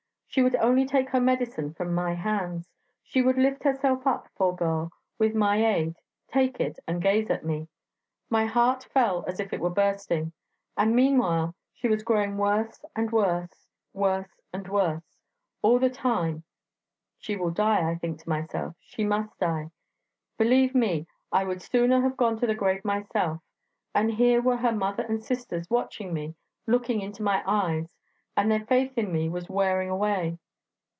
She would only take her medicine from my hands ... she would lift herself up, poor girl, with my aid, take it, and gaze at me... My heart felt as if it were bursting. And meanwhile she was growing worse and worse, worse and worse, all the time; she will die, I think to myself; she must die. Believe me, I would sooner have gone to the grave myself; and here were her mother and sisters watching me, looking into my eyes ... and their faith in me was wearing away.